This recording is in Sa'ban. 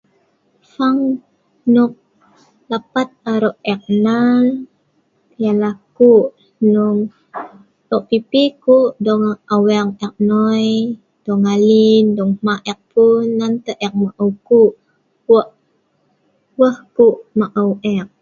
Fag nok dapat arok eek nal kuhh' lo'pi kuhh dong aweng eek noi dong alin'dong mah' eek pun nan eek maeu kuhh weh kuhh maeu eek.